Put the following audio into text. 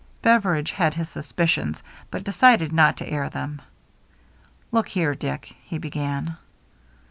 Beveridge had his suspicions, but decided not to air them. " Look here, Dick," he began.